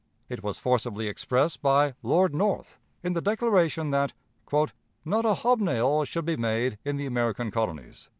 It was forcibly expressed by Lord North in the declaration that "not a hobnail should be made in the American colonies."